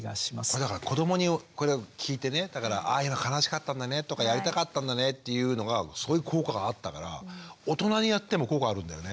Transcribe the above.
これだから子どもにこれを聞いてねああ悲しかったんだねとかやりたかったんだねっていうのがすごい効果があったから大人にやっても効果あるんだよね。